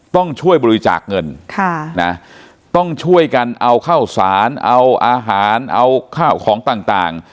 ต้องช่วยบริจาคเงินต้องช่วยกันเอาข้าวสารเอาอาหารเอาข้าวของต่าง